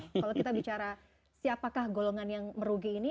kalau kita bicara siapakah golongan yang merugi ini